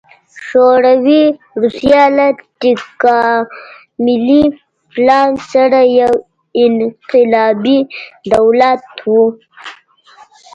شوروي روسیه له تکاملي پلان سره یو انقلابي دولت و